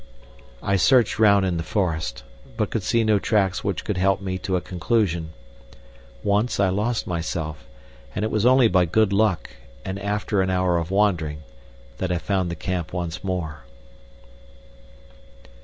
I searched round in the forest, but could see no tracks which could help me to a conclusion. Once I lost myself, and it was only by good luck, and after an hour of wandering, that I found the camp once more.